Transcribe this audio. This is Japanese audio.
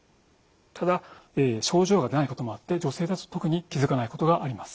ただ症状がないこともあって女性だと特に気付かないことがあります。